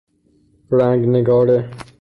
رنگ نگاره